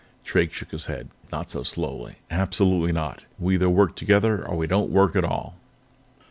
Drake shook his head not so slowly. "Absolutely not. We either work together or we don't work at all."